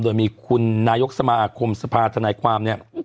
โดยมีคุณนายกสมาคมสภาธนายความเนี่ย